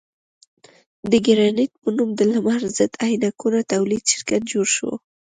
د ګرېنټ په نوم د لمر ضد عینکو تولید شرکت جوړ شو.